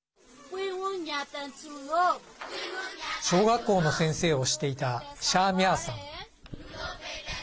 小学校の先生をしていたシャー・ミャーさん。